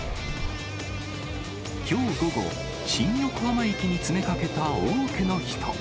きょう午後、新横浜駅に詰めかけた多くの人。